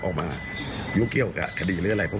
เรามีการดีของไหมครับ